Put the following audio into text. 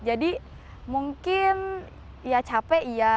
jadi mungkin ya capek ya